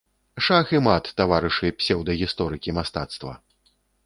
Шах і мат, таварышы псеўдагісторыкі мастацтва!